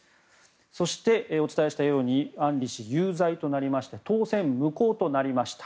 そして、お伝えしたように案里氏、有罪となりまして当選無効となりました。